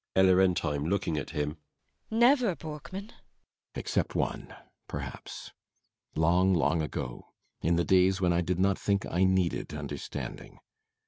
ELLA RENTHEIM. [Looking at him.] Never, Borkman? BORKMAN. Except one perhaps. Long, long ago. In the days when I did not think I needed understanding.